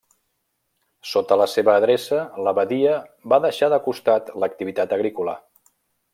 Sota la seva adreça, l'abadia va deixar de costat l'activitat agrícola.